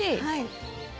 はい。